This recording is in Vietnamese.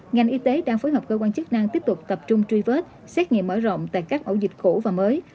ngành y tế đang phối hợp cơ quan chức năng tiếp tục tập trung truy vết xét nghiệm mở rộng tại các ổ dịch cũ và mới